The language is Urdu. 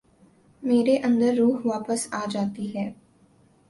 میرے اندر روح واپس آ جاتی ہے ۔